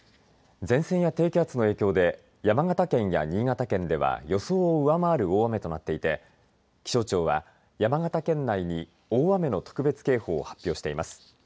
前線や低気圧の影響で山形県や新潟県では予想を上回る大雨となっていて気象庁は、山形県内に大雨の特別警報を発表しています。